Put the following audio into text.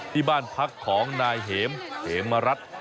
ที่บ้านพักของนายเห็มเหมรัฐ